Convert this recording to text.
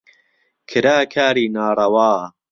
کرا کاری ناڕەوا